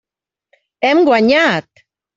Hem guanyat!